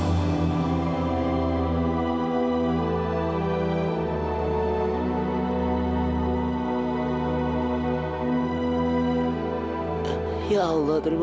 kamu itu adalah sita